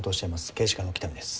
刑事課の北見です。